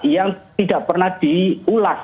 yang tidak pernah diulas